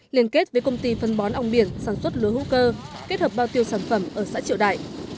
liên kết với công ty phân bón ong biển sản xuất lúa hữu cơ kết hợp bao tiêu sản phẩm ở xã triệu đại